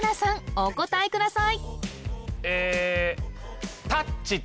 お答えくださいええ